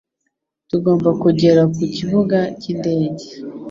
Tugomba kugera ku kibuga cy'indege